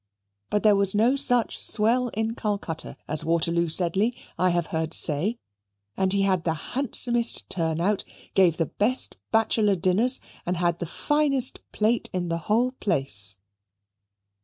But there was no such swell in Calcutta as Waterloo Sedley, I have heard say, and he had the handsomest turn out, gave the best bachelor dinners, and had the finest plate in the whole place.